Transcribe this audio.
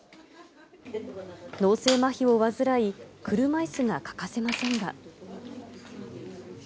脳性まひを患い、車いすが欠かせませんが。